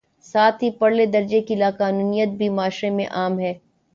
ساتھ ہی پرلے درجے کی لا قانونیت بھی معاشرے میں عام ہے۔